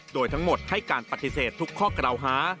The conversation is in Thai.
โดยทั้งหมดให้การปฏิเสธทุกข้อกล่าวหา